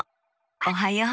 おはよう。